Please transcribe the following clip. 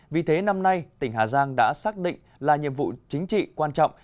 vì thế năm nay tỉnh hà giang đã xác định là nhiệm vụ chính trị quan trọng